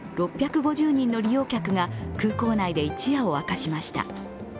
６５０人の利用客が空港内で一夜を明かしました。